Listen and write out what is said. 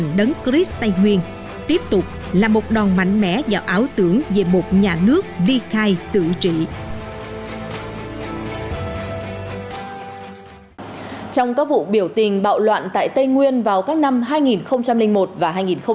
trong các vụ biểu tình bạo loạn tại tây nguyên vào các năm hai nghìn một và hai nghìn bốn